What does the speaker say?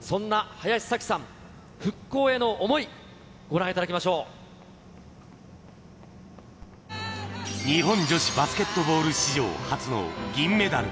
そんな林咲希さん、復興への想い、日本女子バスケットボール史上初の銀メダル。